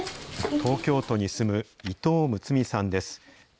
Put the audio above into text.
東京都に住む伊藤睦美さんです。